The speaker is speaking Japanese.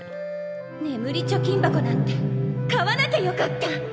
眠り貯金箱なんて買わなきゃよかった！